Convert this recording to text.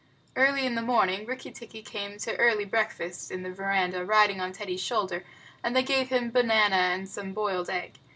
Early in the morning Rikki tikki came to early breakfast in the veranda riding on Teddy's shoulder, and they gave him banana and some boiled egg.